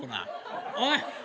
おい！